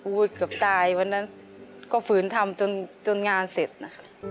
วุ๊ยเกือบตายวันนั้นก็ฝืนทำจนงานเสร็จ